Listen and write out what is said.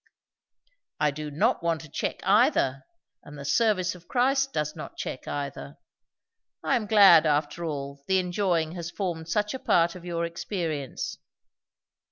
"I do not want to check either, and the service of Christ does not check either. I am glad, after all, the enjoying has formed such a part of your experience."